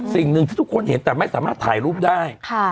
สิ่งหนึ่งที่ทุกคนเห็นแต่ไม่สามารถถ่ายรูปได้